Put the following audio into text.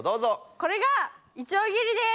これがいちょう切りです！